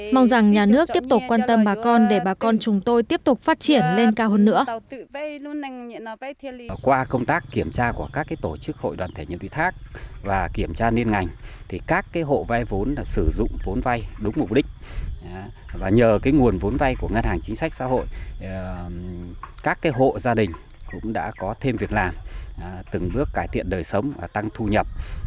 mong rằng nhà nước tiếp tục quan tâm bà con để bà con chúng tôi tiếp tục phát triển lên cao hơn nữa